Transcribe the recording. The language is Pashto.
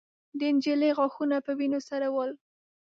د نجلۍ غاښونه په وينو سره ول.